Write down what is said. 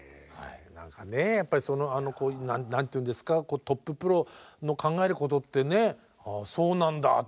やっぱりその何て言うんですかトッププロの考えることってねああそうなんだっていうことあるもんね。